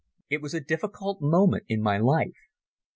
It was a difficult moment in my life.